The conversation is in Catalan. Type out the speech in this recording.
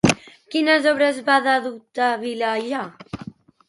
Quines obres va debutar Vila allà?